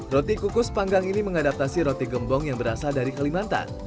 roti kukus panggang ini mengadaptasi roti gembong yang berasal dari kalimantan